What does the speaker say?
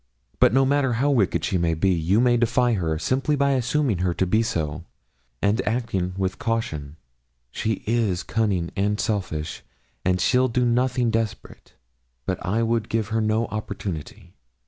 But no matter how wicked she may be, you may defy her, simply by assuming her to be so, and acting with caution; she is cunning and selfish, and she'll do nothing desperate. But I would give her no opportunity.'